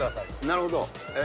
なるほど。